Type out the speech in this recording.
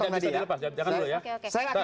jadi tidak bisa dilepas